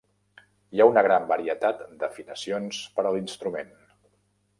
Hi ha una gran varietat d'afinacions per a l'instrument.